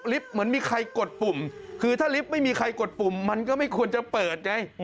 เหมือนมีใครกดปุ่มคือถ้าลิฟต์ไม่มีใครกดปุ่มมันก็ไม่ควรจะเปิดไง